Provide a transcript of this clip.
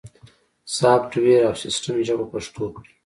سافت ویر او سیستم ژبه پښتو کړئ